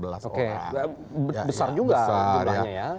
besar juga jumlahnya ya